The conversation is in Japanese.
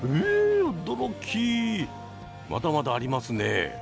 まだまだありますね。